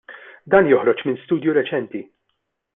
Dan joħroġ minn studju riċenti.